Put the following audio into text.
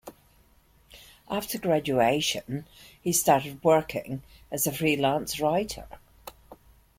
After graduation, he started working as a freelance writer.